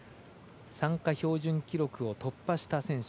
参加標準記録を突破した選手。